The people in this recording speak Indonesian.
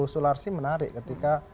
sularsi menarik ketika